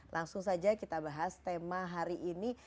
langsung saja kita bahas tema hari ini